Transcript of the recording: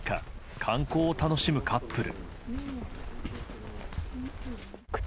観光を楽しむカップル。